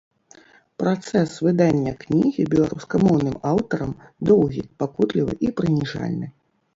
Працэс выдання кнігі беларускамоўным аўтарам доўгі, пакутлівы і прыніжальны.